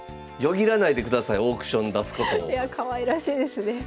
いやかわいらしいですねはい。